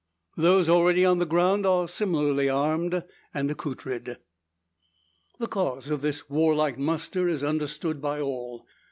Those already on the ground are similarly armed, and accoutred. The cause of this warlike muster is understood by all.